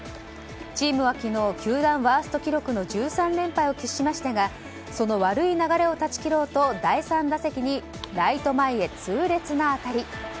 チームは昨日球団ワースト記録の１３連敗を喫しましたがその悪い流れを断ち切ろうと第３打席にライト前へ痛烈な当たり。